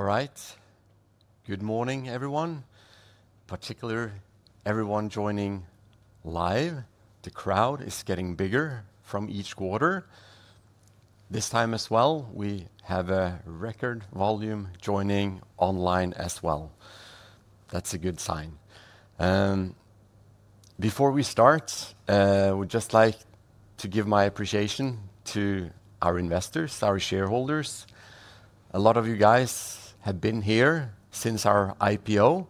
All right, good morning, everyone. Particularly everyone joining live. The crowd is getting bigger from each quarter. This time as well, we have a record volume joining online as well. That's a good sign. Before we start, I would just like to give my appreciation to our investors, our shareholders. A lot of you guys have been here since our IPO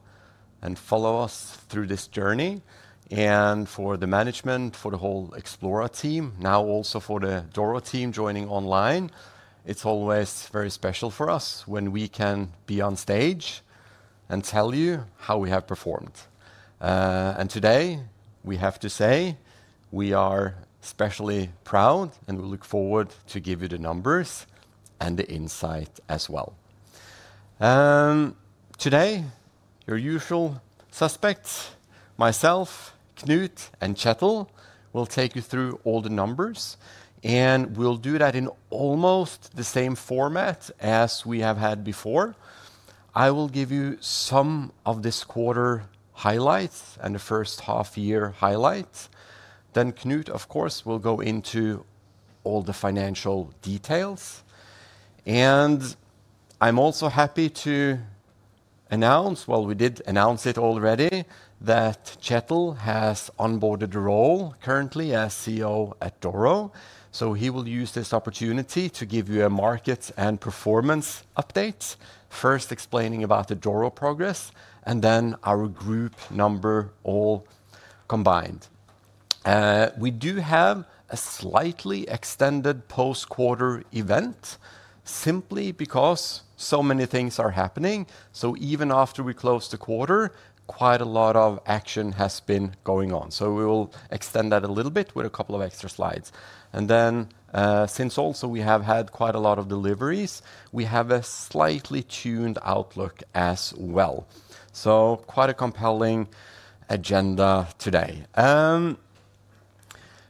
and follow us through this journey. For the management, for the whole Xplora team, now also for the Doro team joining online, it's always very special for us when we can be on stage and tell you how we have performed. Today, we have to say we are especially proud and we look forward to give you the numbers and the insight as well. Today, your usual suspects, myself, Knut, and Kjetil will take you through all the numbers. We'll do that in almost the same format as we have had before. I will give you some of this quarter's highlights and the first half-year highlights. Then Knut, of course, will go into all the financial details. I'm also happy to announce, we did announce it already, that Kjetil has onboarded a role currently as CEO at Doro. He will use this opportunity to give you a market and performance update, first explaining about the Doro progress and then our group number all combined. We do have a slightly extended post-quarter event simply because so many things are happening. Even after we close the quarter, quite a lot of action has been going on. We will extend that a little bit with a couple of extra slides. Since also we have had quite a lot of deliveries, we have a slightly tuned outlook as well. Quite a compelling agenda today.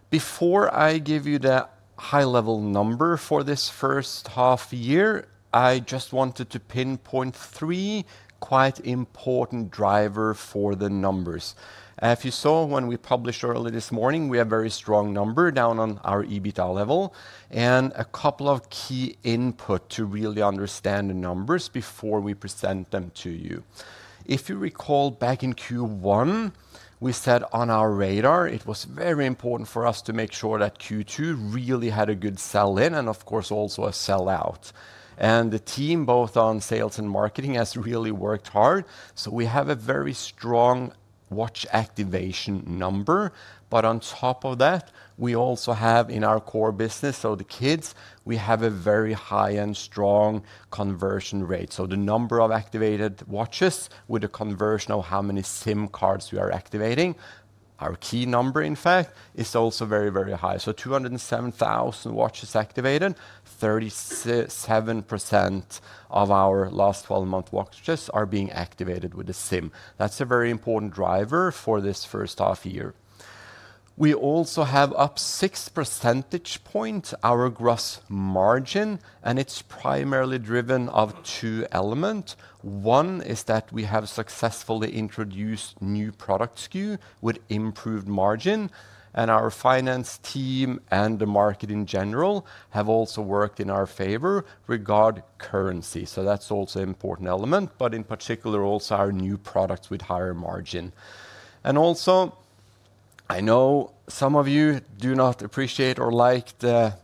Before I give you the high-level number for this first half-year, I just wanted to pinpoint three quite important drivers for the numbers. As you saw when we published early this morning, we have a very strong number down on our EBITDA level and a couple of key inputs to really understand the numbers before we present them to you. If you recall back in Q1, we said on our radar, it was very important for us to make sure that Q2 really had a good sell-in and, of course, also a sell-out. The team, both on sales and marketing, has really worked hard. We have a very strong watch activation number. On top of that, we also have in our core business, so the Kids, we have a very high and strong conversion rate. The number of activated watches with the conversion of how many SIM cards we are activating, our key number, in fact, is also very, very high. 207,000 watches activated, 37% of our last 12-month watches are being activated with a SIM. That's a very important driver for this first half-year. We also have up six percentage points our gross margin, and it's primarily driven of two elements. One is that we have successfully introduced new product SKU with improved margin. Our finance team and the market in general have also worked in our favor regarding currency. That's also an important element, but in particular also our new products with higher margin. I know some of you do not appreciate or like the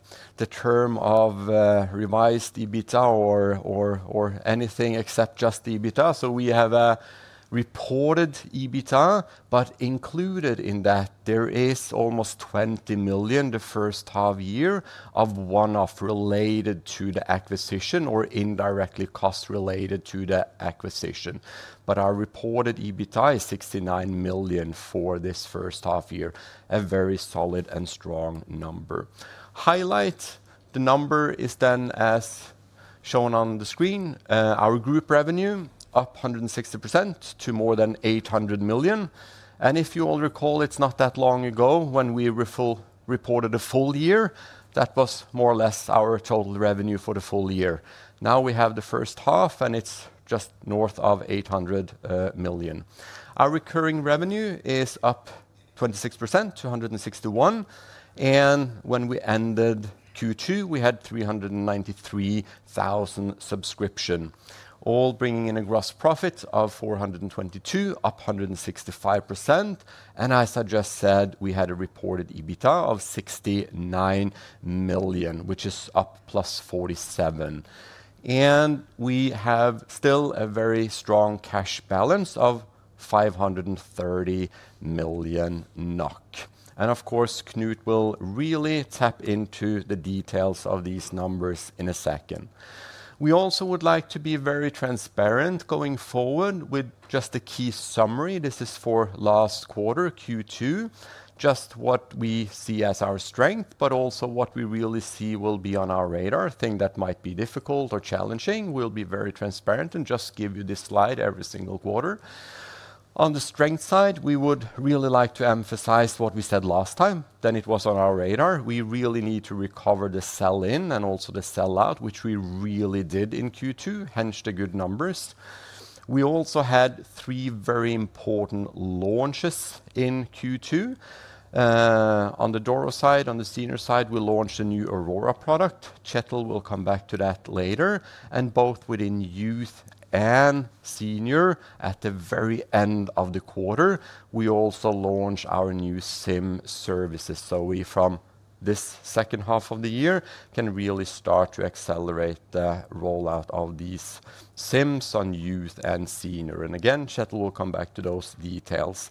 term of revised EBITDA or anything except just EBITDA. We have a reported EBITDA, but included in that, there is almost 20 million the first half-year of one-off related to the acquisition or indirectly cost related to the acquisition. Our reported EBITDA is 69 million for this first half-year, a very solid and strong number. Highlight the number is then as shown on the screen. Our group revenue up 160% to more than 800 million. If you all recall, it's not that long ago when we reported a full year, that was more or less our total revenue for the full year. Now we have the first half, and it's just north of 800 million. Our recurring revenue is up 26% to 161 million. When we ended Q2, we had 393,000 subscriptions, all bringing in a gross profit of 422 million, up 165%. As I just said, we had a reported EBITDA of 69 million, which is up +47 million. We have still a very strong cash balance of 530 million NOK. Of course, Knut will really tap into the details of these numbers in a second. We also would like to be very transparent going forward with just a key summary. This is for last quarter Q2, just what we see as our strength, but also what we really see will be on our radar. Things that might be difficult or challenging, we'll be very transparent and just give you this slide every single quarter. On the strength side, we would really like to emphasize what we said last time that it was on our radar. We really need to recover the sell-in and also the sell-out, which we really did in Q2, hence the good numbers. We also had three very important launches in Q2. On the Doro side, on the Senior side, we launched a new Aurora product. Kjetil will come back to that later. Within both Youth and Senior at the very end of the quarter, we also launched our new SIM services. From this second half of the year, we can really start to accelerate the rollout of these SIMs on Youth and Senior. Kjetil will come back to those details.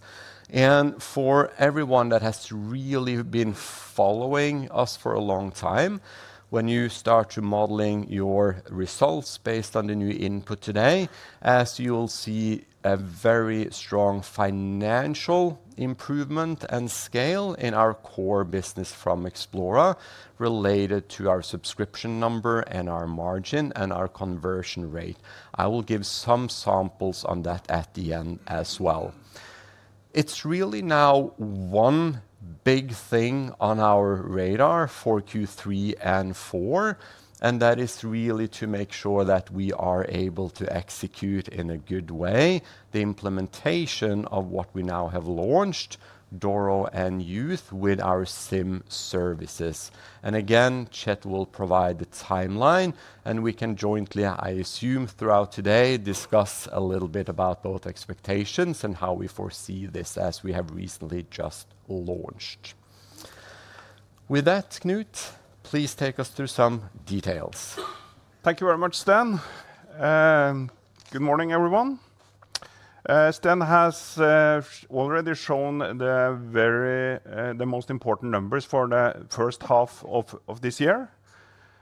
For everyone that has really been following us for a long time, when you start to model your results based on the new input today, as you will see, a very strong financial improvement and scale in our core business from Xplora related to our subscription number, our margin, and our conversion rate. I will give some samples on that at the end as well. There is really now one big thing on our radar for Q3 and Q4, and that is to make sure that we are able to execute in a good way the implementation of what we now have launched, Doro and Youth, with our SIM services. Kjetil will provide the timeline, and we can jointly, I assume, throughout today, discuss a little bit about both expectations and how we foresee this as we have recently just launched. With that, Knut, please take us through some details. Thank you very much, Sten. Good morning, everyone. Sten has already shown the very most important numbers for the first half of this year.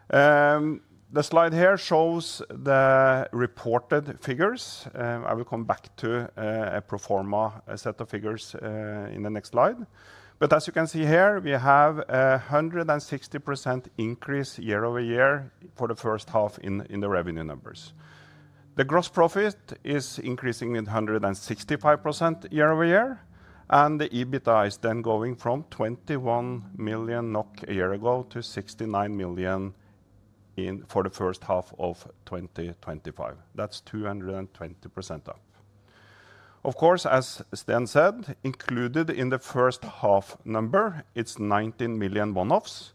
The slide here shows the reported figures. I will come back to a pro forma set of figures in the next slide. As you can see here, we have a 160% increase year-over-year for the first half in the revenue numbers. The gross profit is increasing 165% year-over-year. The EBITDA is then going from 21 million NOK a year ago to 69 million for the first half of 2025. That's 220% up. Of course, as Sten said, included in the first half number, it's 19 million one-offs.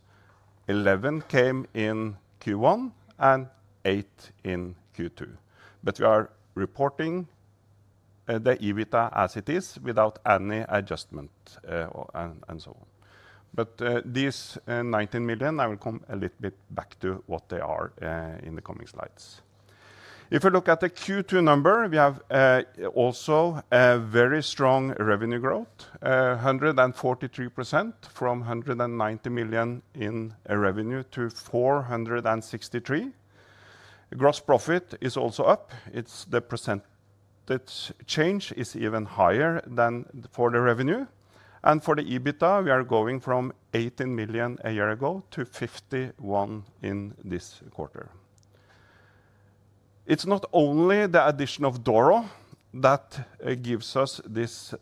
11 million came in Q1 and 8 million in Q2. We are reporting the EBITDA as it is without any adjustment and so on. These 19 million, I will come a little bit back to what they are in the coming slides. If we look at the Q2 number, we have also a very strong revenue growth, 143% from 190 million in revenue to 463 million. Gross profit is also up. The percentage change is even higher than for the revenue. For the EBITDA, we are going from 18 million a year ago to 51 million in this quarter. It is not only the addition of Doro that gives us this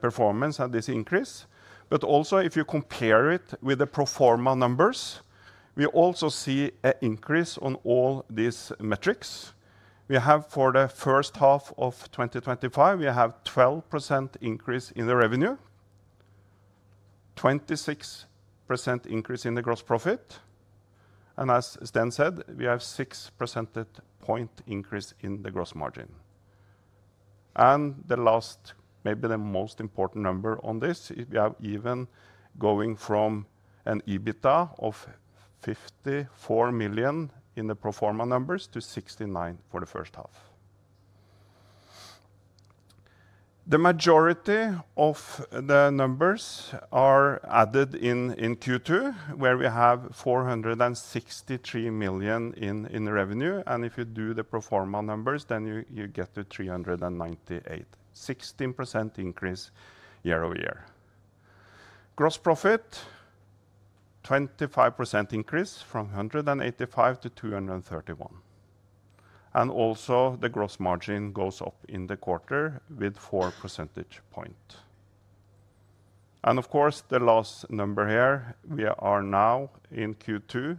performance and this increase, but also if you compare it with the pro forma numbers, we also see an increase on all these metrics. For the first half of 2025, we have a 12% increase in the revenue, a 26% increase in the gross profit. As Sten said, we have a 6 percentage point increase in the gross margin. The last, maybe the most important number on this, we are even going from an EBITDA of 54 million in the pro forma numbers to 69 million for the first half. The majority of the numbers are added in Q2, where we have 463 million in revenue. If you do the pro forma numbers, then you get to 398 million, a 16% increase year-over-year. Gross profit, a 25% increase from 185 million to 231 million. Also, the gross margin goes up in the quarter with 4 percentage points. The last number here, we are now in Q2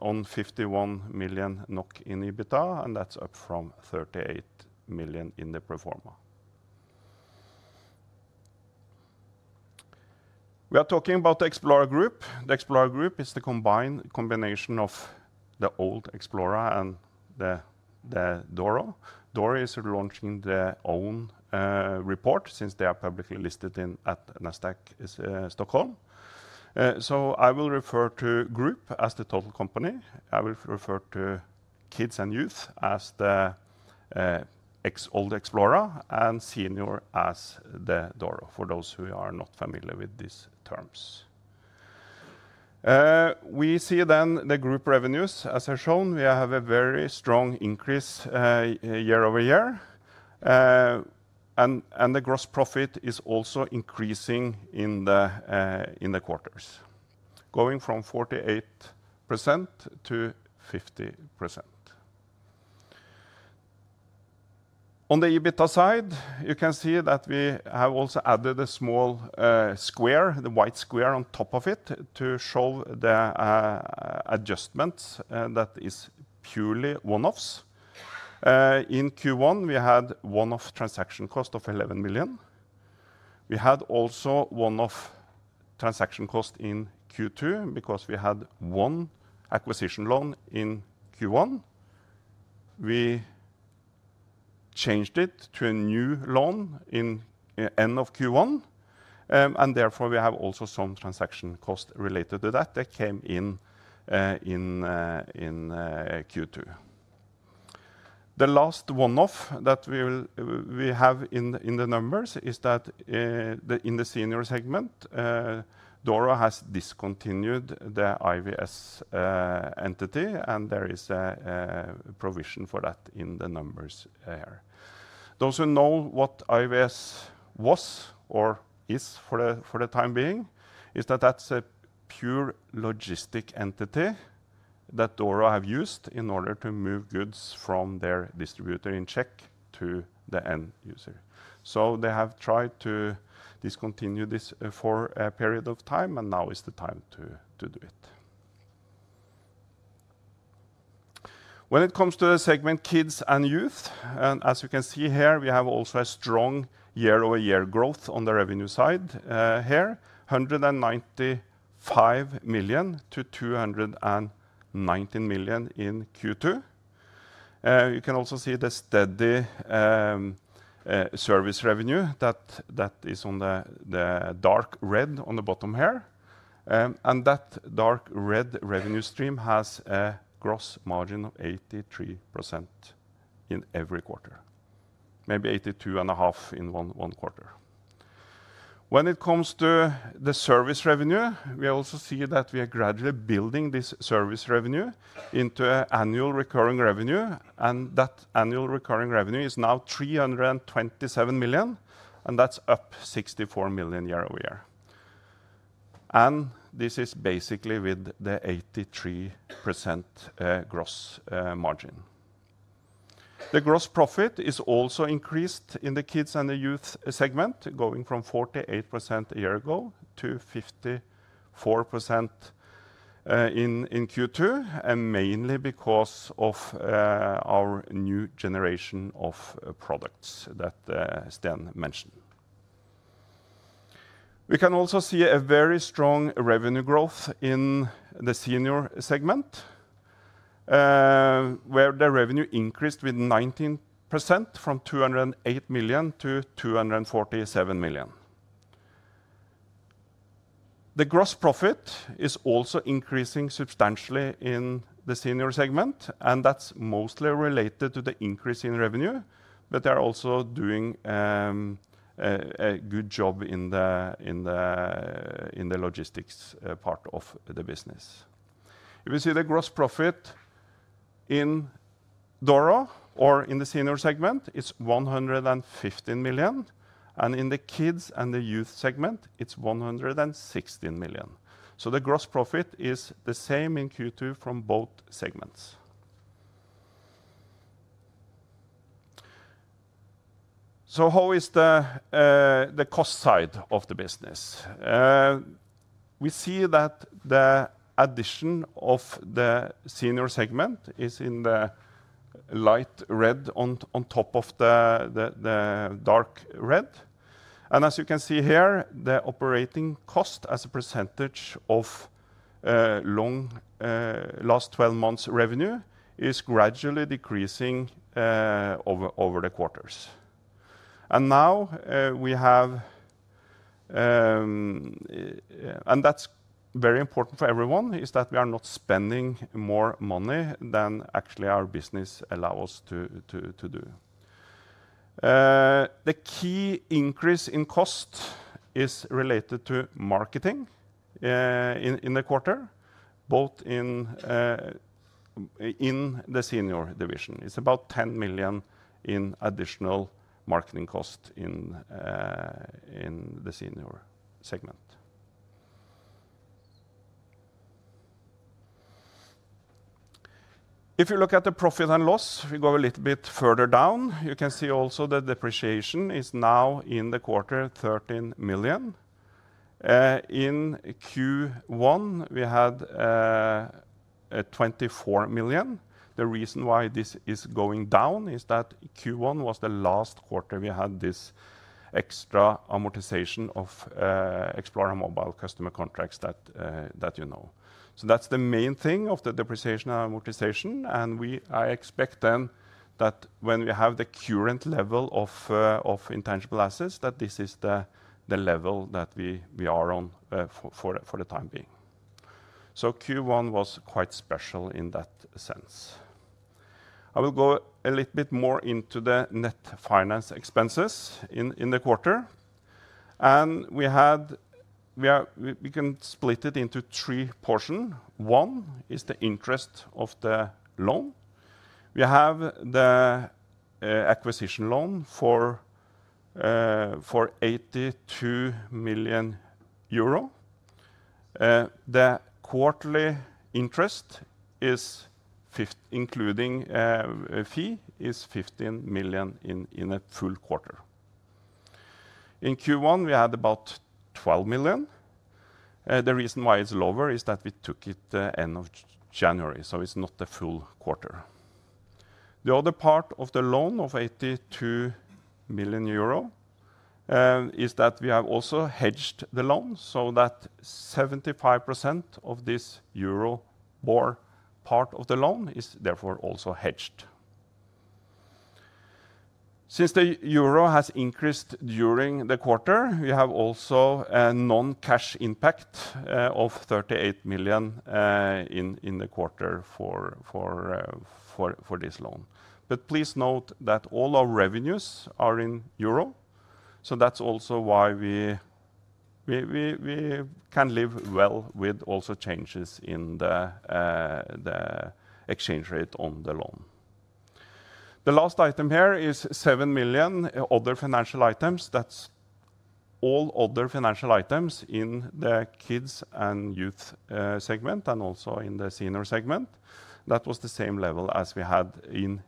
on 51 million NOK in EBITDA, and that's up from 38 million in the pro forma. We are talking about the Xplora Group. The Xplora Group is the combination of the old Xplora and Doro. Doro is launching their own report since they are publicly listed at Nasdaq Stockholm. I will refer to Group as the total company. I will refer to Kids and Youth as the old Xplora and Senior as Doro for those who are not familiar with these terms. We see then the group revenues. As I've shown, we have a very strong increase year-over-year. The gross profit is also increasing in the quarters, going from 48% to 50%. On the EBITDA side, you can see that we have also added a small square, the white square on top of it, to show the adjustments that are purely one-offs. In Q1, we had one-off transaction costs of 11 million. We had also one-off transaction costs in Q2 because we had one acquisition loan in Q1. We changed it to a new loan in the end of Q1, and therefore, we have also some transaction costs related to that that came in Q2. The last one-off that we have in the numbers is that in the Senior segment, Doro has discontinued the IVS entity, and there is a provision for that in the numbers here. Those who know what IVS was or is for the time being know that that's a pure logistic entity that Doro has used in order to move goods from their distributor in Czech to the end user. They have tried to discontinue this for a period of time, and now is the time to do it. When it comes to the segment Kids and Youth, as you can see here, we have also a strong year-over-year growth on the revenue side here, 195 million to 219 million in Q2. You can also see the steady service revenue that is on the dark red on the bottom here. That dark red revenue stream has a gross margin of 83% in every quarter, maybe 82.5% in one quarter. When it comes to the service revenue, we also see that we are gradually building this service revenue into annualized recurring revenue. That annualized recurring revenue is now 327 million, and that's up 64 million year-over-year. This is basically with the 83% gross margin. The gross profit is also increased in the Kids and the Youth segment, going from 48% a year ago to 54% in Q2, mainly because of our new generation of products that Sten mentioned. We can also see a very strong revenue growth in the Senior segment, where the revenue increased with 19% from 208 million to 247 million. The gross profit is also increasing substantially in the Senior segment, and that's mostly related to the increase in revenue, but they're also doing a good job in the logistics part of the business. You will see the gross profit in Doro or in the Senior segment is 115 million, and in the Kids and the Youth segment, it's 116 million. The gross profit is the same in Q2 from both segments. How is the cost side of the business? We see that the addition of the Senior segment is in the light red on top of the dark red. As you can see here, the operating cost as a percentage of the last 12 months' revenue is gradually decreasing over the quarters. Now we have, and that's very important for everyone, that we are not spending more money than actually our business allows us to do. The key increase in cost is related to marketing in the quarter, both in the Senior division. It's about 10 million in additional marketing costs in the Senior segment. If you look at the profit and loss, we go a little bit further down. You can see also the depreciation is now in the quarter 13 million. In Q1, we had 24 million. The reason why this is going down is that Q1 was the last quarter we had this extra amortization of Xplora Mobile customer contracts that you know. That's the main thing of the depreciation and amortization. I expect then that when we have the current level of intangible assets, this is the level that we are on for the time being. Q1 was quite special in that sense. I will go a little bit more into the net finance expenses in the quarter. We can split it into three portions. One is the interest of the loan. We have the acquisition loan for 82 million euro. The quarterly interest is NOK 15 million, including a fee, in a full quarter. In Q1, we had about 12 million. The reason why it's lower is that we took it at the end of January, so it's not the full quarter. The other part of the loan of 82 million euro is that we have also hedged the loan so that 75% of this Euribor part of the loan is therefore also hedged. Since the euro has increased during the quarter, we have also a non-cash impact of 38 million in the quarter for this loan. Please note that all our revenues are in euro. That's also why we can live well with changes in the exchange rate on the loan. The last item here is 7 million other financial items. That's all other financial items in the Kids and Youth segment and also in the Senior segment. That was the same level as we had in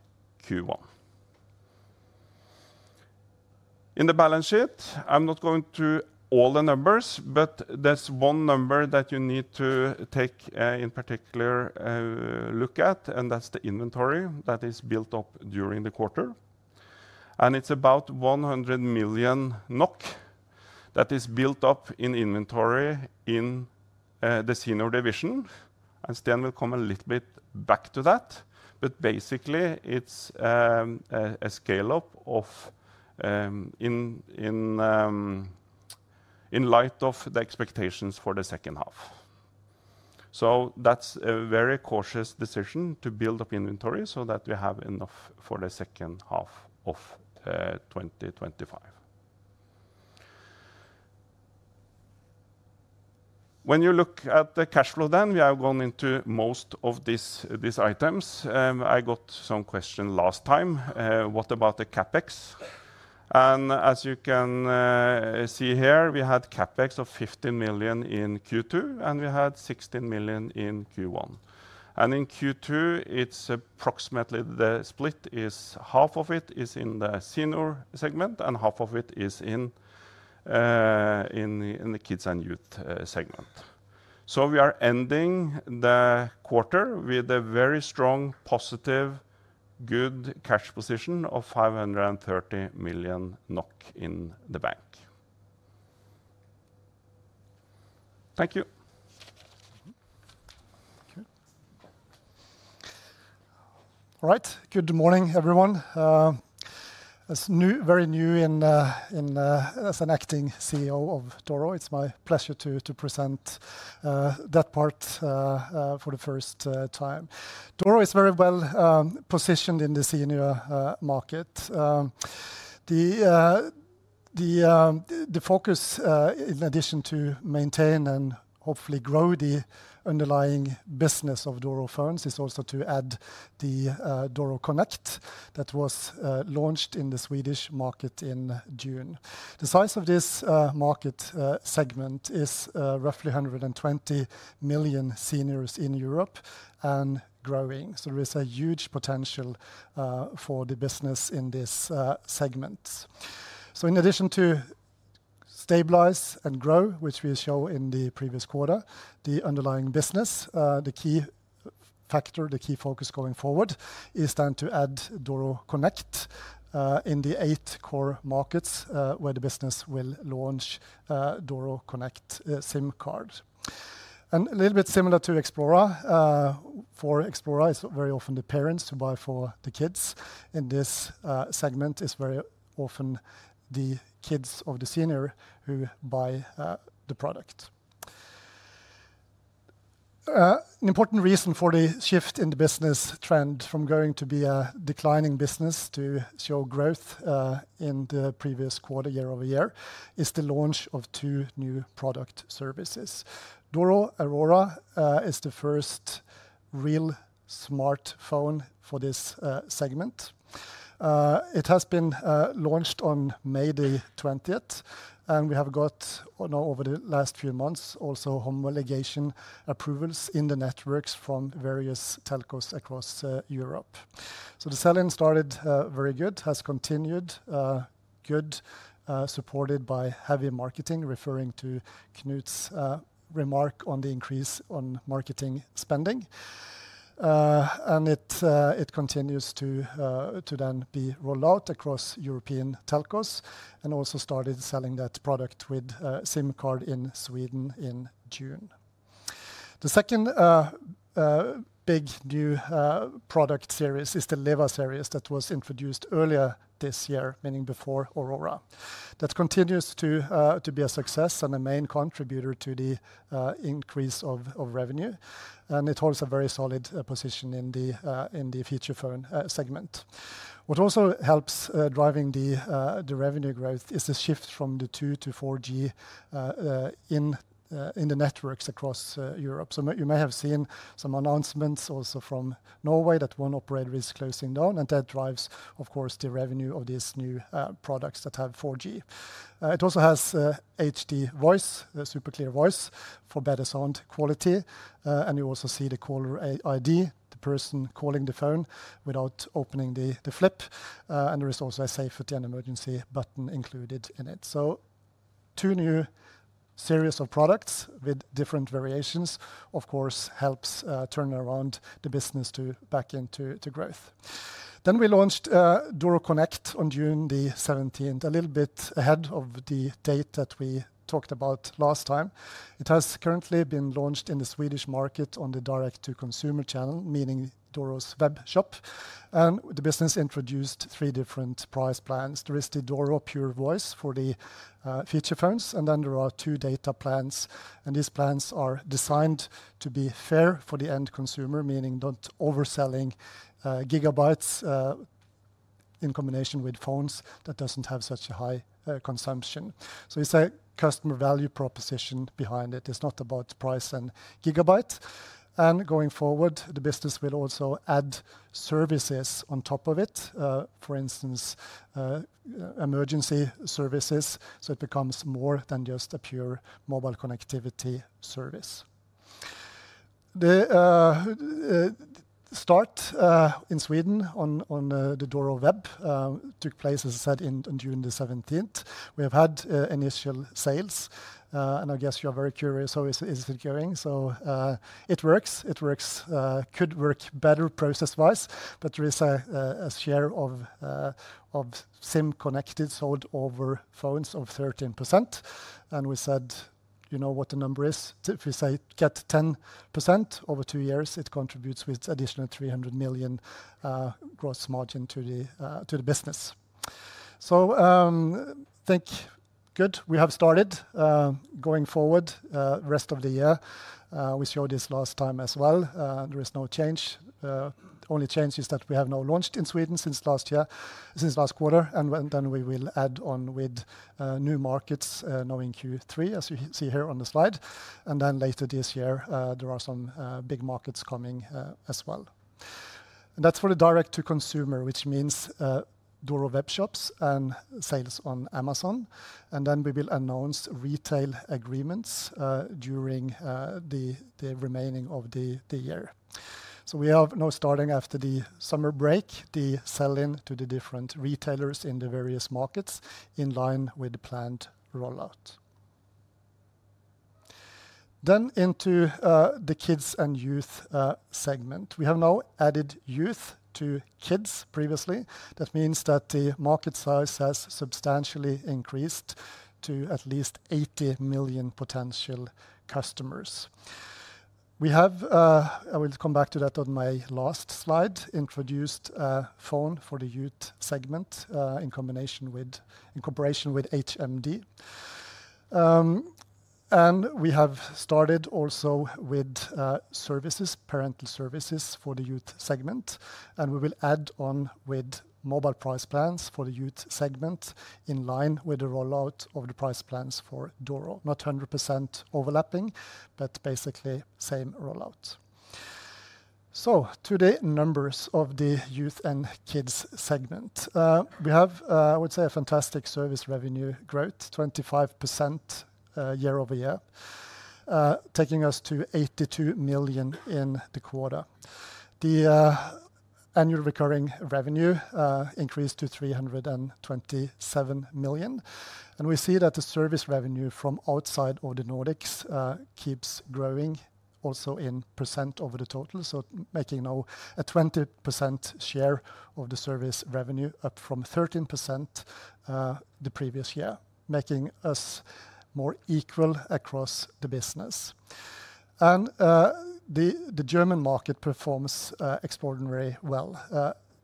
Q1. In the balance sheet, I'm not going through all the numbers, but there's one number that you need to take a particular look at, and that's the inventory that is built up during the quarter. It's about 100 million NOK that is built up in inventory in the Senior division. Sten will come a little bit back to that. Basically, it's a scale-up in light of the expectations for the second half. That's a very cautious decision to build up inventory so that we have enough for the second half of 2025. When you look at the cash flow, we are going into most of these items. I got some questions last time. What about the CapEx? As you can see here, we had CapEx of 15 million in Q2, and we had 16 million in Q1. In Q2, approximately the split is half of it in the Senior segment and half of it in the Kids and Youth segment. We are ending the quarter with a very strong, positive, good cash position of 530 million NOK in the bank. Thank you. All right. Good morning, everyone. As very new as an Acting CEO of Doro, it's my pleasure to present that part for the first time. Doro is very well positioned in the Senior market. The focus, in addition to maintaining and hopefully growing the underlying business of Doro Funds, is also to add the Doro Connect SIM that was launched in the Swedish market in June. The size of this market segment is roughly 120 million Seniors in Europe and growing. There is a huge potential for the business in this segment. In addition to stabilizing and growing, which we showed in the previous quarter, the underlying business, the key factor, the key focus going forward is to add Doro Connect in the eight-core markets where the business will launch Doro Connect SIM cards. A little bit similar to Xplora, for Xplora it's very often the parents who buy for the kids. In this segment, it's very often the kids of the senior who buy the product. An important reason for the shift in the business trend from being a declining business to showing growth in the previous quarter, year-over-year, is the launch of two new product services. Doro Aurora is the first real smartphone for this segment. It has been launched on May 20th, and we have now over the last few months also received homologation approvals in the networks from various telcos across Europe. The sell-in started very good, has continued good, supported by heavy marketing, referring to Knut's remark on the increase in marketing spending. It continues to be rolled out across European telcos and also started selling that product with a SIM card in Sweden in June. The second big new product series is the Leva feature phone series that was introduced earlier this year, meaning before Aurora. That continues to be a success and a main contributor to the increase of revenue. It holds a very solid position in the feature phone segment. What also helps drive the revenue growth is the shift from the 2G to 4G in the networks across Europe. You may have seen some announcements also from Norway that one operator is closing down, and that drives, of course, the revenue of these new products that have 4G. It also has HD Voice, the super clear voice for better sound quality. You also see the caller ID, the person calling the phone without opening the flip. There is also a safety and emergency button included in it. Two new series of products with different variations, of course, help turn around the business back into growth. We launched Doro Connect on June 17th, a little bit ahead of the date that we talked about last time. It has currently been launched in the Swedish market on the direct-to-consumer channel, meaning Doro's web shop. The business introduced three different price plans. There is the Doro Pure Voice for the feature phones, and then there are two data plans. These plans are designed to be fair for the end consumer, meaning not overselling gigabytes in combination with phones that don't have such a high consumption. It's a customer value proposition behind it. It's not about price and gigabyte. Going forward, the business will also add services on top of it, for instance, emergency services. It becomes more than just a pure mobile connectivity service. The start in Sweden on the Doro web took place, as I said, on June 17th. We have had initial sales, and I guess you are very curious, so is it going? It works. It works. Could work better process-wise, but there is a share of SIM connected sold over phones of 13%. We said, you know what the number is? If we say get 10% over two years, it contributes with additional 300 million gross margin to the business. I think good, we have started. Going forward, the rest of the year, we showed this last time as well. There is no change. The only change is that we have now launched in Sweden since last year, since last quarter. We will add on with new markets now in Q3, as you see here on the slide. Later this year, there are some big markets coming as well. That's for the direct-to-consumer, which means Doro web shops and sales on Amazon. We will announce retail agreements during the remaining of the year. We are now starting after the summer break, the sell-in to the different retailers in the various markets in line with the planned rollout. Into the Kids and Youth segment, we have now added Youth to Kids previously. That means that the market size has substantially increased to at least 80 million potential customers. I will come back to that on my last slide, introduced a phone for the Youth segment in combination with HMD. We have started also with services, parental services for the Youth segment. We will add on with mobile price plans for the Youth segment in line with the rollout of the price plans for Doro. Not 100% overlapping, but basically the same rollout. To the numbers of the Youth and Kids segment, we have, I would say, a fantastic service revenue growth, 25% year-over-year, taking us to 82 million in the quarter. The annualized recurring revenue increased to 327 million. We see that the service revenue from outside of the Nordics keeps growing, also in percent over the total, making now a 20% share of the service revenue, up from 13% the previous year, making us more equal across the business. The German market performs extraordinarily well.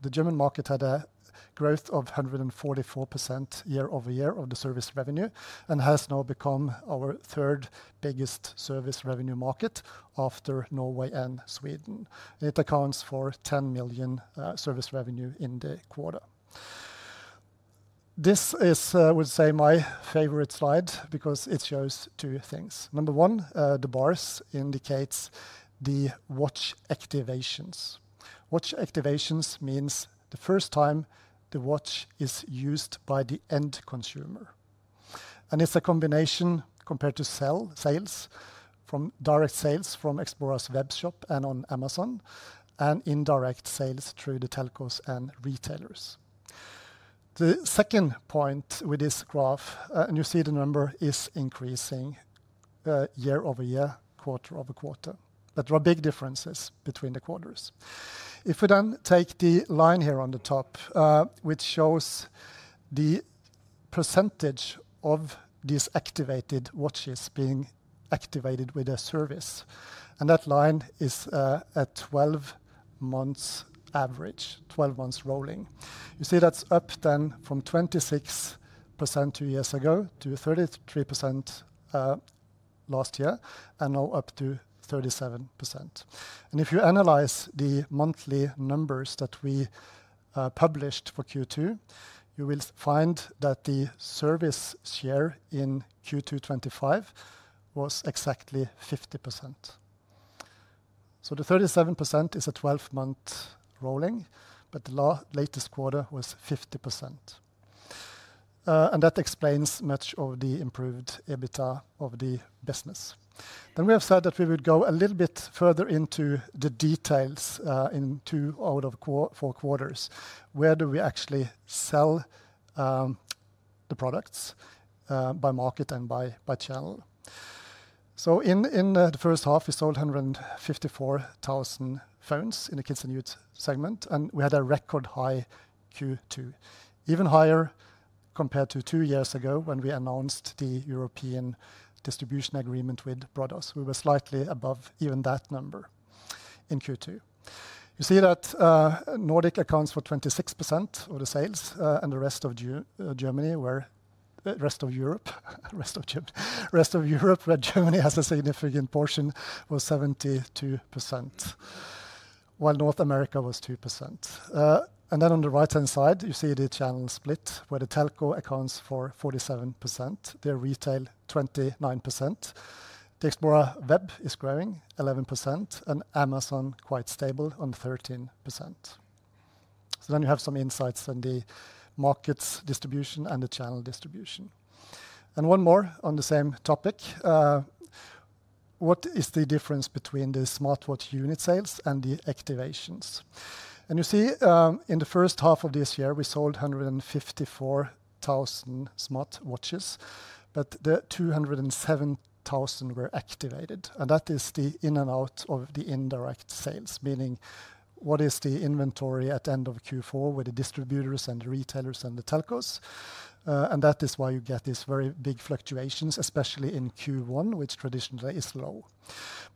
The German market had a growth of 144% year-over-year of the service revenue and has now become our third biggest service revenue market after Norway and Sweden. It accounts for 10 million service revenue in the quarter. This is, I would say, my favorite slide because it shows two things. Number one, the bars indicate the watch activations. Watch activations mean the first time the watch is used by the end consumer. It's a combination compared to sales from direct sales from Xplora's web shop and on Amazon and indirect sales through the telcos and retailers. The second point with this graph, and you see the number is increasing year-over-year, quarter-over-quarter, but there are big differences between the quarters. If we then take the line here on the top, which shows the percentage of these activated watches being activated with a service, that line is a 12-month average, 12 months rolling. You see that's up then from 26% two years ago to 33% last year and now up to 37%. If you analyze the monthly numbers that we published for Q2, you will find that the service share in Q2 2025 was exactly 50%. The 37% is a 12-month rolling, but the latest quarter was 50%. That explains much of the improved EBITDA of the business. We have said that we would go a little bit further into the details in two out of four quarters. Where do we actually sell the products by market and by channel? In the first half, we sold 154,000 phones in the Kids and Youth segment, and we had a record high Q2, even higher compared to two years ago when we announced the European distribution agreement with Broaddus. We were slightly above even that number in Q2. You see that Nordic accounts for 26% of the sales, and the rest of Europe, where Germany has a significant portion of 72%, while North America was 2%. On the right-hand side, you see the channel split where the telco accounts for 47%, retail 29%, the Xplora web is growing 11%, and Amazon is quite stable at 13%. You have some insights on the markets distribution and the channel distribution. One more on the same topic: what is the difference between the smartwatch unit sales and the activations? In the first half of this year, we sold 154,000 smartwatches, but 207,000 were activated. That is the in and out of the indirect sales, meaning what is the inventory at the end of Q4 with the distributors, the retailers, and the telcos. That is why you get these very big fluctuations, especially in Q1, which traditionally is low.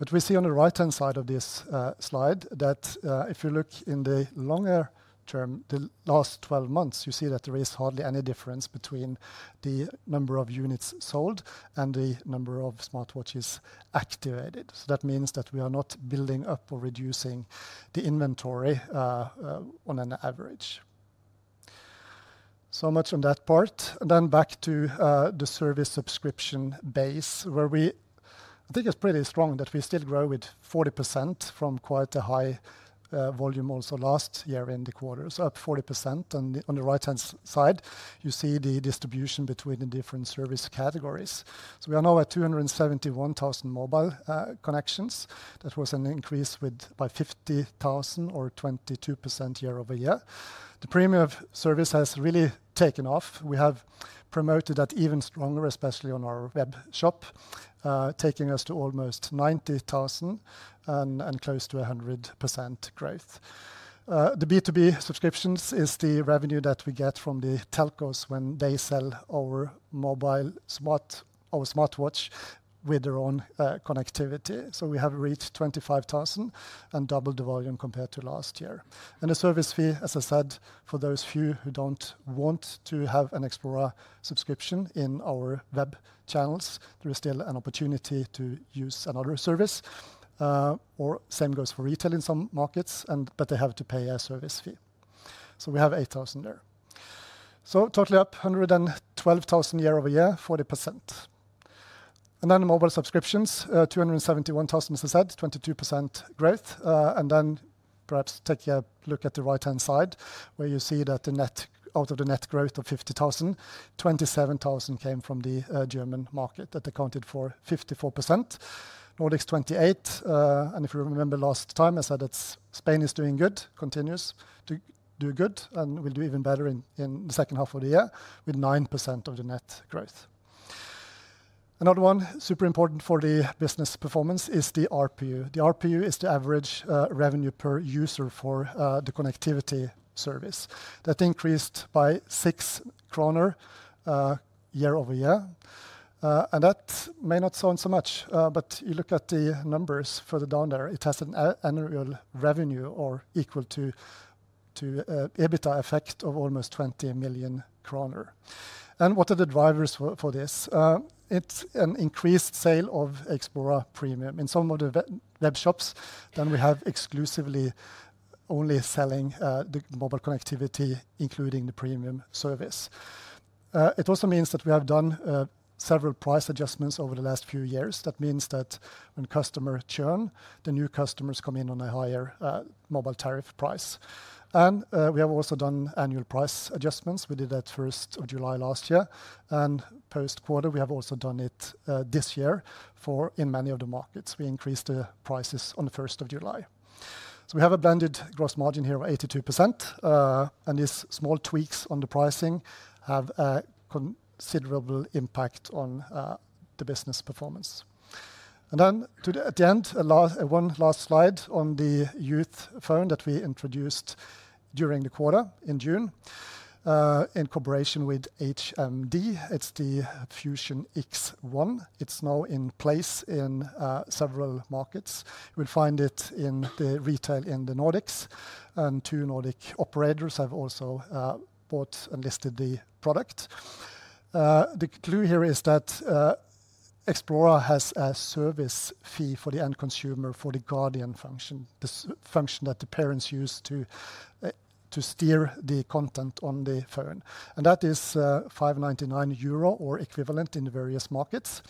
On the right-hand side of this slide, if you look in the longer term, the last 12 months, you see that there is hardly any difference between the number of units sold and the number of smartwatches activated. That means that we are not building up or reducing the inventory on average. Back to the service subscription base, we think it's pretty strong that we still grow with 40% from quite a high volume also last year in the quarter, so up 40%. On the right-hand side, you see the distribution between the different service categories. We are now at 271,000 mobile connections. That was an increase by 50,000 or 22% year-over-year. The Premium service has really taken off. We have promoted that even stronger, especially on our web shop, taking us to almost 90,000 and close to 100% growth. The B2B subscriptions is the revenue that we get from the telcos when they sell our mobile smartwatch with their own connectivity. We have reached 25,000 and doubled the volume compared to last year. The service fee, as I said, for those few who don't want to have an Xplora subscription in our web channels, there is still an opportunity to use another service. The same goes for retail in some markets, but they have to pay a service fee. We have 8,000 there. Totally up 112,000 year-over-year, 40%. The mobile subscriptions, 271,000 as I said, 22% growth. Perhaps take a look at the right-hand side where you see that the net out of the net growth of 50,000, 27,000 came from the German market that accounted for 54%. Nordics 28%. If you remember last time, I said Spain is doing good, continues to do good and will do even better in the second half of the year with 9% of the net growth. Another one super important for the business performance is the ARPU. The ARPU is the average revenue per user for the connectivity service. That increased by 6 kroner year-over-year. That may not sound so much, but you look at the numbers further down there, it has an annual revenue or equal to EBITDA effect of almost 20 million kroner. What are the drivers for this? It's an increased sale of Xplora Premium. In some of the web shops, we have exclusively only selling the mobile connectivity, including the Premium service. It also means that we have done several price adjustments over the last few years. That means that when customers churn, the new customers come in on a higher mobile tariff price. We have also done annual price adjustments. We did that first of July last year. Post-quarter, we have also done it this year for in many of the markets. We increased the prices on the 1st of July. We have a blended gross margin here of 82%. These small tweaks on the pricing have a considerable impact on the business performance. At the end, one last slide on the youth phone that we introduced during the quarter in June. In cooperation with HMD, HMD Fusion X1. It's now in place in several markets. You will find it in the retail in the Nordics. Two Nordic operators have also bought and listed the product. The clue here is that Xplora has a service fee for the end consumer for the Guardian service, the function that the parents use to steer the content on the phone. That is 5.99 euro or equivalent in the various markets.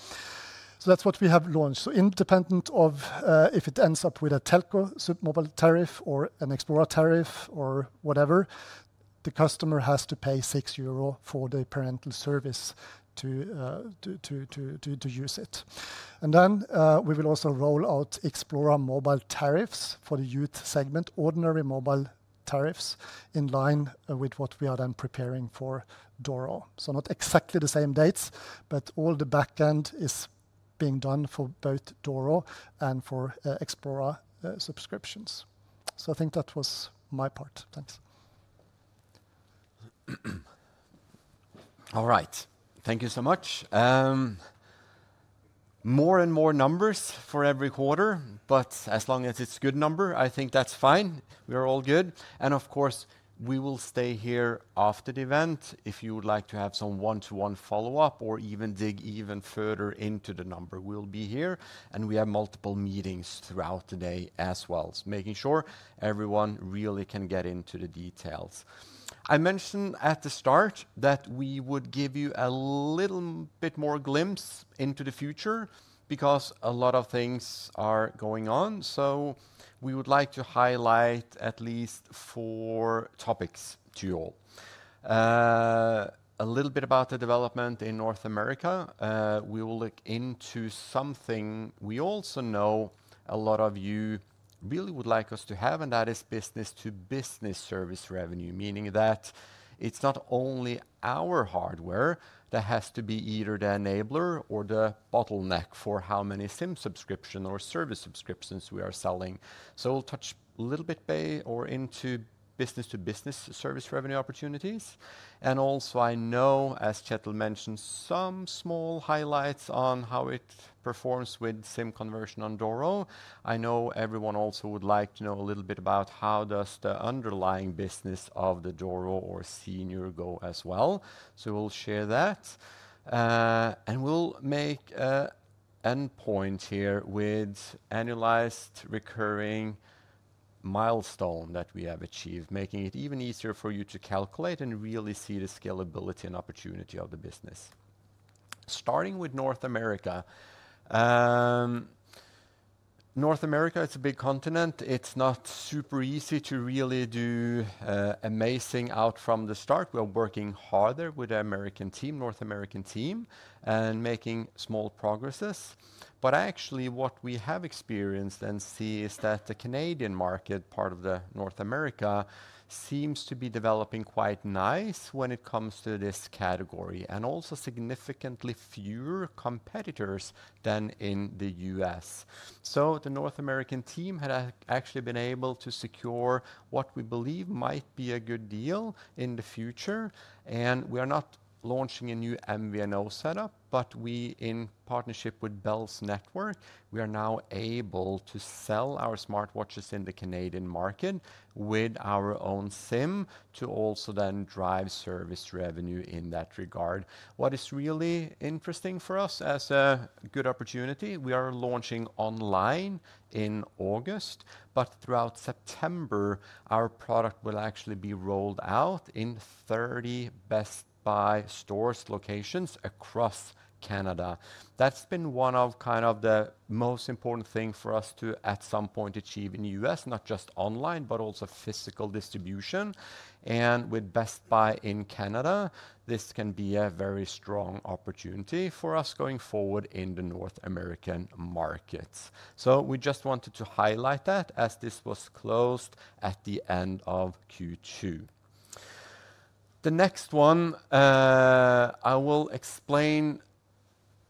That's what we have launched. Independent of if it ends up with a telco mobile tariff or an Xplora tariff or whatever, the customer has to pay 6 euro for the Parental service to use it. We will also roll out Xplora mobile tariffs for the Youth segment, ordinary mobile tariffs in line with what we are then preparing for Doro. Not exactly the same dates, but all the backend is being done for both Doro and for Xplora subscriptions. I think that was my part. Thanks. All right. Thank you so much. More and more numbers for every quarter, but as long as it's a good number, I think that's fine. We are all good. Of course, we will stay here after the event. If you would like to have some one-to-one follow-up or even dig even further into the number, we'll be here. We have multiple meetings throughout the day as well, making sure everyone really can get into the details. I mentioned at the start that we would give you a little bit more glimpse into the future because a lot of things are going on. We would like to highlight at least four topics to you all. A little bit about the development in North America. We will look into something we also know a lot of you really would like us to have, and that is business-to-business service revenue, meaning that it's not only our hardware that has to be either the enabler or the bottleneck for how many SIM subscriptions or service subscriptions we are selling. We'll touch a little bit or into business-to-business service revenue opportunities. I know, as Kjetil mentioned, some small highlights on how it performs with SIM conversion on Doro. I know everyone also would like to know a little bit about how does the underlying business of the Doro or Senior go as well. We'll share that. We'll make an endpoint here with an annualized recurring milestone that we have achieved, making it even easier for you to calculate and really see the scalability and opportunity of the business. Starting with North America. North America, it's a big continent. It's not super easy to really do amazing out from the start. We're working harder with the American team, North American team, and making small progresses. Actually, what we have experienced and see is that the Canadian market, part of North America, seems to be developing quite nice when it comes to this category and also significantly fewer competitors than in the U.S. The North American team had actually been able to secure what we believe might be a good deal in the future. We are not launching a new MVNO setup, but we, in partnership with Bell’s network, are now able to sell our smartwatches in the Canadian market with our own SIM to also then drive service revenue in that regard. What is really interesting for us as a good opportunity, we are launching online in August, but throughout September, our product will actually be rolled out in 30 Best Buy store locations across Canada. That's been one of the most important things for us to, at some point, achieve in the U.S., not just online, but also physical distribution. With Best Buy in Canada, this can be a very strong opportunity for us going forward in the North American markets. We just wanted to highlight that as this was closed at the end of Q2. The next one I will explain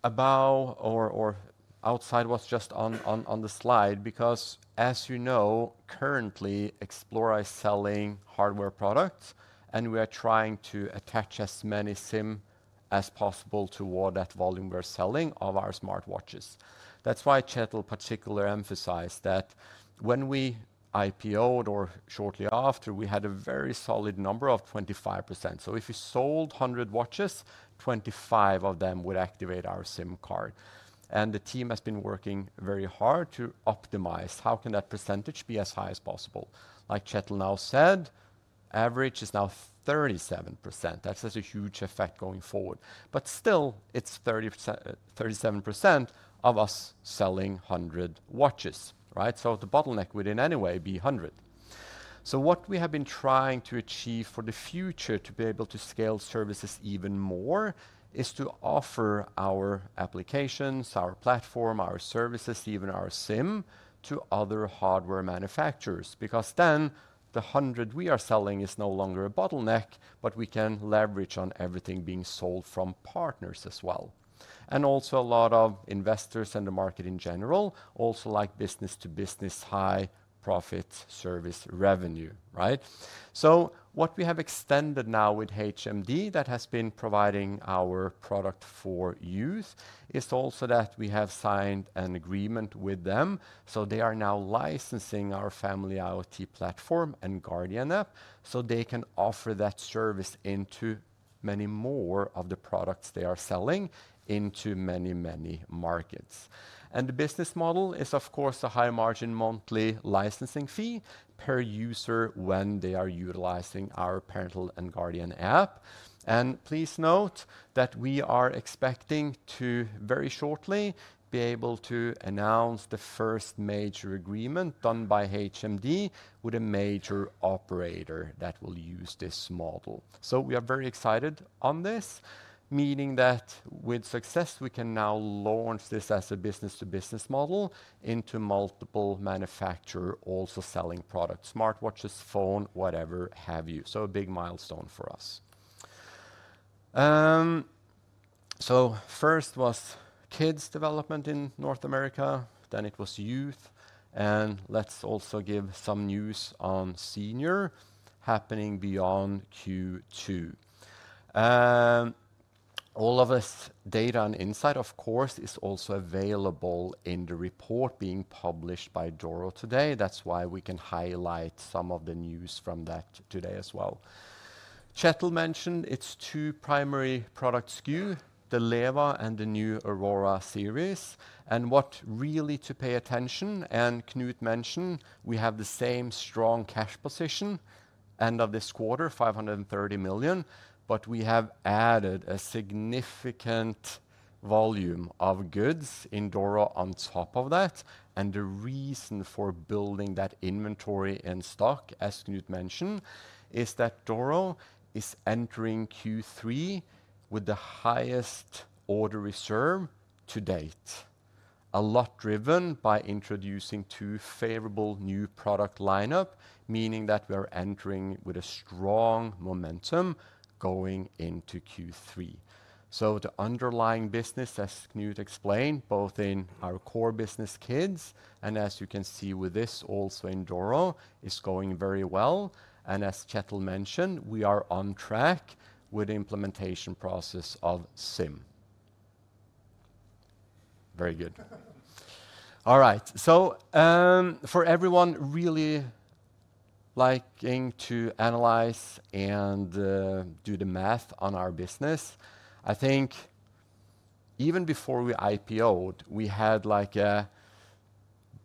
about or outside was just on the slide because, as you know, currently, Xplora is selling hardware products, and we are trying to attach as many SIM as possible toward that volume we're selling of our smartwatches. That's why Kjetil particularly emphasized that when we IPO'd or shortly after, we had a very solid number of 25%. If you sold 100 watches, 25 of them would activate our SIM card. The team has been working very hard to optimize how can that percentage be as high as possible. Like Kjetil now said, average is now 37%. That's such a huge effect going forward. Still, it's 37% of us selling 100 watches, right? The bottleneck would in any way be 100. What we have been trying to achieve for the future to be able to scale services even more is to offer our applications, our platform, our services, even our SIM to other hardware manufacturers because then the 100 we are selling is no longer a bottleneck, but we can leverage on everything being sold from partners as well. A lot of investors in the market in general also like business-to-business high profit service revenue, right? What we have extended now with HMD that has been providing our product for use is also that we have signed an agreement with them. They are now licensing our family IoT platform and Guardian app so they can offer that service into many more of the products they are selling into many, many markets. The business model is, of course, a high margin monthly licensing fee per user when they are utilizing our Parental and Guardian app. Please note that we are expecting to very shortly be able to announce the first major agreement done by HMD with a major operator that will use this model. We are very excited on this, meaning that with success, we can now launch this as a business-to-business model into multiple manufacturers also selling products, smartwatches, phone, whatever have you. A big milestone for us. First was Kids' development in North America, then it was Youth. Let's also give some news on Senior happening beyond Q2. All of this data and insight, of course, is also available in the report being published by Doro today. That's why we can highlight some of the news from that today as well. Kjetil mentioned its two primary product SKU, the Leva and the new Aurora series. What really to pay attention, and Knut mentioned, we have the same strong cash position end of this quarter, 530 million, but we have added a significant volume of goods in Doro on top of that. The reason for building that inventory in stock, as Knut mentioned, is that Doro is entering Q3 with the highest order reserve to date, a lot driven by introducing two favorable new product lineups, meaning that we are entering with a strong momentum going into Q3. The underlying business, as Knut explained, both in our core business Kids, and as you can see with this also in Doro, is going very well. As Kjetil mentioned, we are on track with the implementation process of SIM. Very good. For everyone really liking to analyze and do the math on our business, I think even before we IPO'ed, we had like a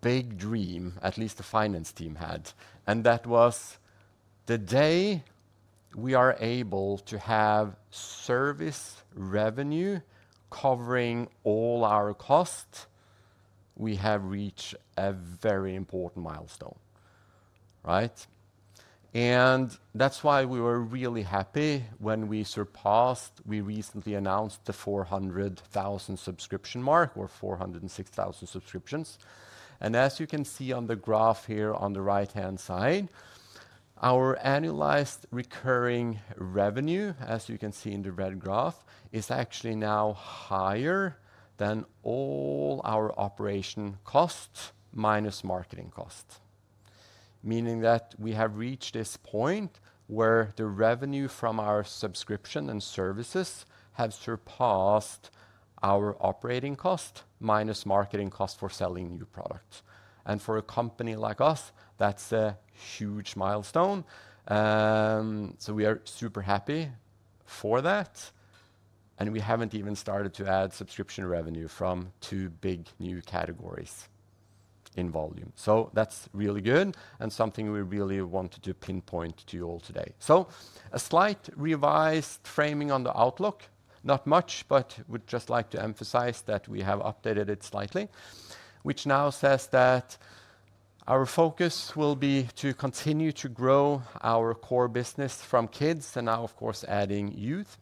big dream, at least the finance team had. That was the day we are able to have service revenue covering all our costs. We have reached a very important milestone, right? That's why we were really happy when we surpassed, we recently announced the 400,000 subscription mark or 406,000 subscriptions. As you can see on the graph here on the right-hand side, our annualized recurring revenue, as you can see in the red graph, is actually now higher than all our operation costs minus marketing costs, meaning that we have reached this point where the revenue from our subscription and services have surpassed our operating costs minus marketing costs for selling new products. For a company like us, that's a huge milestone. We are super happy for that. We haven't even started to add subscription revenue from two big new categories in volume. That's really good and something we really wanted to pinpoint to you all today. A slight revised framing on the outlook, not much, but we'd just like to emphasize that we have updated it slightly, which now says that our focus will be to continue to grow our core business from Kids and now, of course, adding Youth.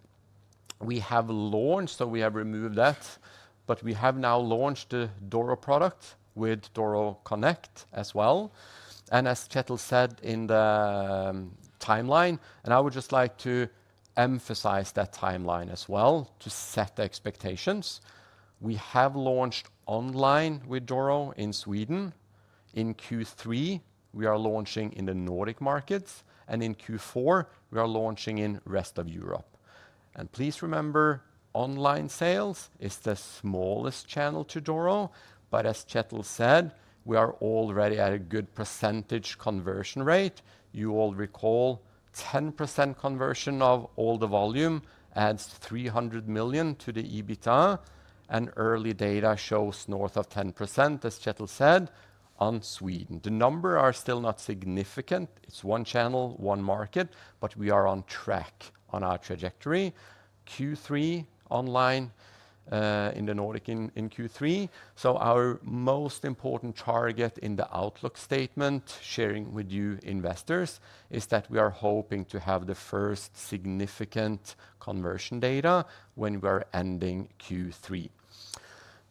We have launched, so we have removed that, but we have now launched the Doro product with Doro Connect as well. As Kjetil said in the timeline, I would just like to emphasize that timeline as well to set the expectations. We have launched online with Doro in Sweden. In Q3, we are launching in the Nordic markets, and in Q4, we are launching in the rest of Europe. Please remember, online sales is the smallest channel to Doro. As Kjetil said, we are already at a good percentage conversion rate. You all recall 10% conversion of all the volume adds 300 million to the EBITDA. Early data shows north of 10%, as Kjetil said, on Sweden. The numbers are still not significant. It's one channel, one market, but we are on track on our trajectory. Q3 online in the Nordic in Q3. Our most important target in the outlook statement sharing with you investors is that we are hoping to have the first significant conversion data when we're ending Q3.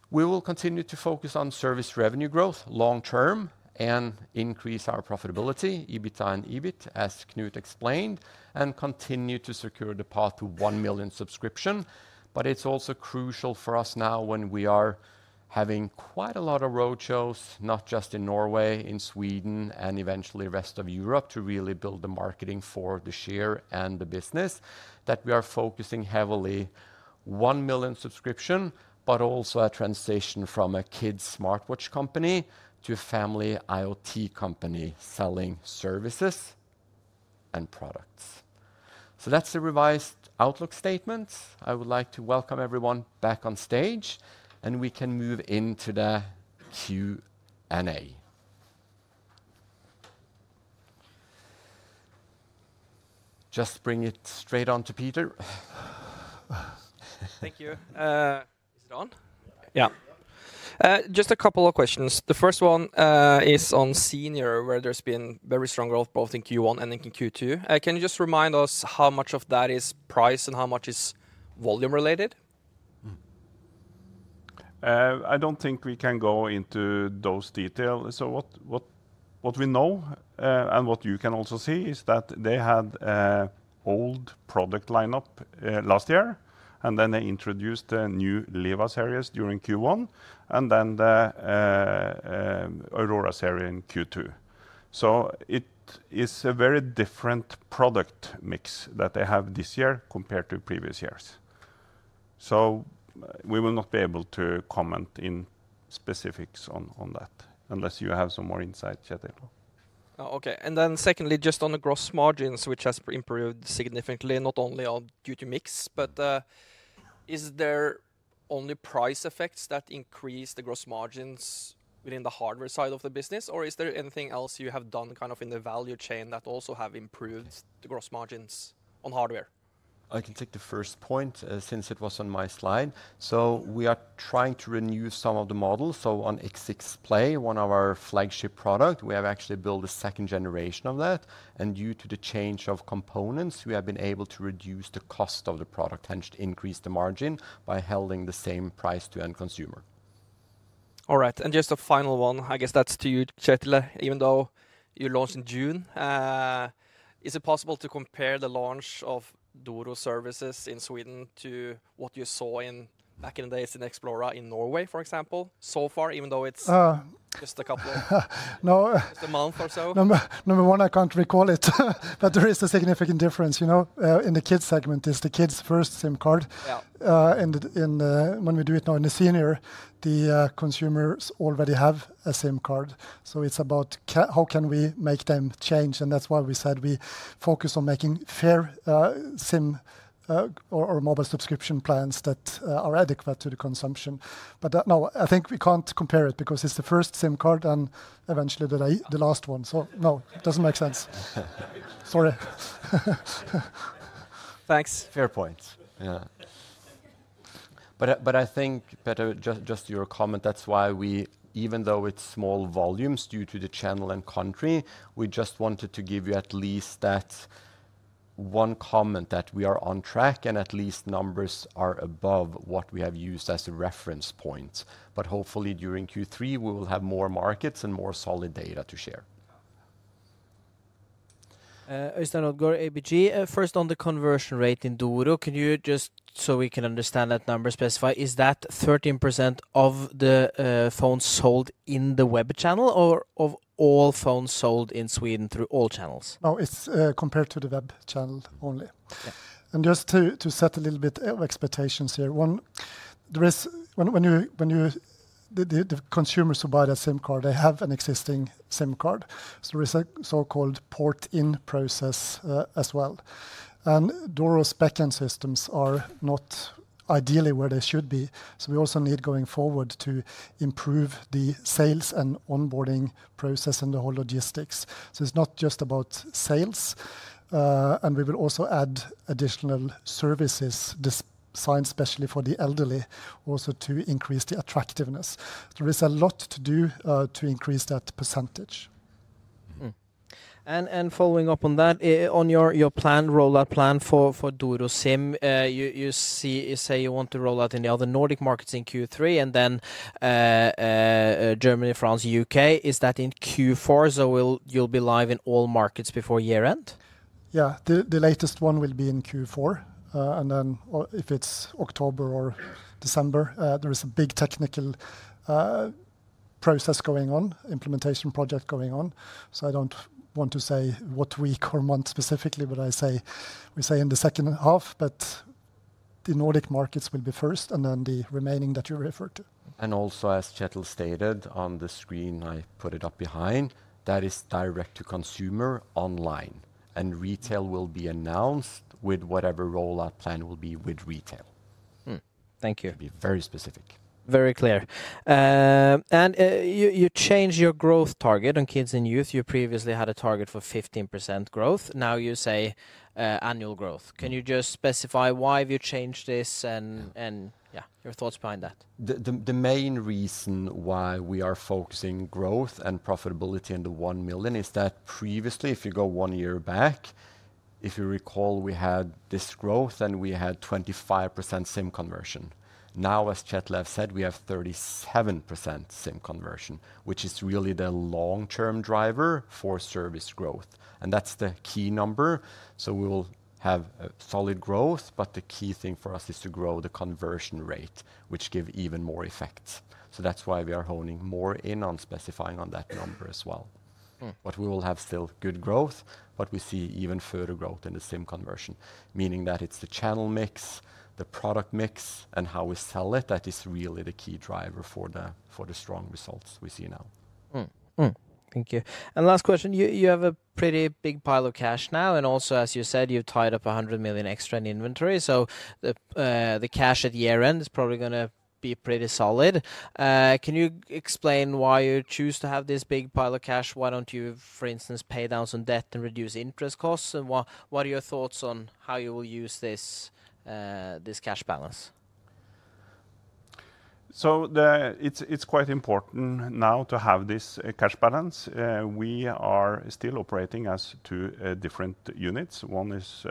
We will continue to focus on service revenue growth long-term and increase our profitability, EBITDA and EBIT, as Knut explained, and continue to secure the path to 1 million subscription. It's also crucial for us now when we are having quite a lot of roadshows, not just in Norway, in Sweden, and eventually the rest of Europe, to really build the marketing for the share and the business that we are focusing heavily on 1 million subscription, but also a transition from a kids' smartwatch company to a family IoT company selling services and products. That's the revised outlook statement. I would like to welcome everyone back on stage, and we can move into the Q&A. Just bring it straight on to Peter. Thank you. Is it on? Yeah. Just a couple of questions. The first one is on Senior, where there's been very strong growth both in Q1 and in Q2. Can you just remind us how much of that is price and how much is volume related? I don't think we can go into those details. What we know and what you can also see is that they had an old product lineup last year, and then they introduced the new Leva series during Q1, and then the Aurora series in Q2. It is a very different product mix that they have this year compared to previous years. We will not be able to comment in specifics on that unless you have some more insights, Kjetil. OK. Secondly, just on the gross margins, which has improved significantly, not only due to mix, but is there only price effects that increase the gross margins within the hardware side of the business, or is there anything else you have done in the value chain that also have improved the gross margins on hardware? I can take the first point since it was on my slide. We are trying to renew some of the models. On Xplora X6Play, one of our flagship products, we have actually built a second generation of that. Due to the change of components, we have been able to reduce the cost of the product and increase the margin by holding the same price to end consumer. All right. Just a final one, I guess that's to you, Kjetil, even though you launched in June. Is it possible to compare the launch of Doro services in Sweden to what you saw back in the days in Xplora in Norway, for example, so far, even though it's just a couple of months or so? Number one, I can't recall it, but there is a significant difference. In the Kids' segment, it's the kids' first SIM card. When we do it now in the Senior, the consumers already have a SIM card. It's about how can we make them change? That's why we said we focus on making fair SIM or mobile subscription plans that are adequate to the consumption. No, I think we can't compare it because it's the first SIM card and eventually the last one. No, it doesn't make sense. Sorry. Thanks. Fair point. Yeah. I think, Peter, just your comment, that's why we, even though it's small volumes due to the channel and country, we just wanted to give you at least that one comment that we are on track and at least numbers are above what we have used as a reference point. Hopefully, during Q3, we will have more markets and more solid data to share. First on the conversion rate in Doro, can you just, so we can understand that number, specify, is that 13% of the phones sold in the web channel or of all phones sold in Sweden through all channels? No, it's compared to the web channel only. Just to set a little bit of expectations here, one, when the consumers who buy their SIM card, they have an existing SIM card. There is a so-called port-in process as well. Doro's backend systems are not ideally where they should be. We also need going forward to improve the sales and onboarding process and the whole logistics. It's not just about sales. We will also add additional services designed specially for the elderly to increase the attractiveness. There is a lot to do to increase that percentage. Following up on that, on your planned rollout plan for Doro SIM, you say you want to roll out in the other Nordic markets in Q3 and then Germany, France, U.K. Is that in Q4? You'll be live in all markets before year end? Yeah, the latest one will be in Q4. If it's October or December, there is a big technical process going on, an implementation project going on. I don't want to say what week or month specifically, but I say we say in the second half that the Nordic markets will be first and then the remaining that you referred to. As Kjetil stated on the screen, I put it up behind, that is direct-to-consumer online. Retail will be announced with whatever rollout plan will be with retail. Thank you. Be very specific. Very clear. You changed your growth target on kids and youth. You previously had a target for 15% growth. Now you say annual growth. Can you specify why you changed this and your thoughts behind that? The main reason why we are focusing growth and profitability in the 1 million is that previously, if you go one year back, if you recall, we had this growth and we had 25% SIM conversion. Now, as Kjetil said, we have 37% SIM conversion, which is really the long-term driver for service growth. That's the key number. We will have solid growth, but the key thing for us is to grow the conversion rate, which gives even more effect. That's why we are honing more in on specifying on that number as well. We will have still good growth, and we see even further growth in the SIM conversion, meaning that it's the channel mix, the product mix, and how we sell it that is really the key driver for the strong results we see now. Thank you. Last question. You have a pretty big pile of cash now. Also, as you said, you've tied up 100 million extra in inventory. The cash at year end is probably going to be pretty solid. Can you explain why you choose to have this big pile of cash? Why don't you, for instance, pay down some debt and reduce interest costs? What are your thoughts on how you will use this cash balance? It's quite important now to have this cash balance. We are still operating as two different units. One is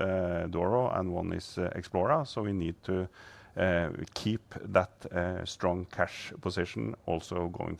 Doro and one is Xplora. We need to keep that strong cash position also going.